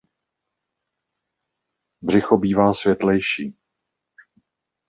Břicho bývá světlejší.